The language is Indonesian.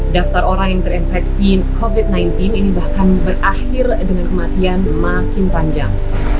daftar orang yang terinfeksi covid sembilan belas ini bahkan berakhir dengan kematian makin panjang